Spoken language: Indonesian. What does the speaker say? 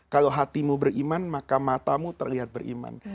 kalau hatimu beriman maka matamu terlihat beriman